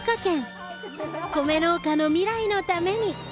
米農家の未来のために！